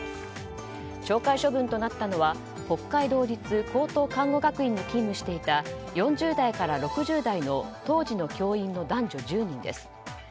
懲戒処分となったのは北海道立高等看護学院に勤務していた４０代から６０代の当時の教員の男女１０人です。